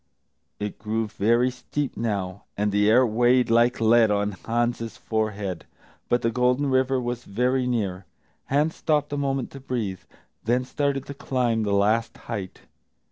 It grew very steep now, and the air weighed like lead on Hans's forehead, but the Golden River was very near. Hans stopped a moment to breathe, then started to climb the last height.